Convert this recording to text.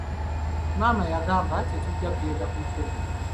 Maama yagamba tetujja kugenda ku mukolo.